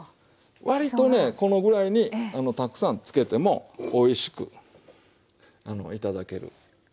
割とねこのぐらいにたくさんつけてもおいしく頂けると思いますよ。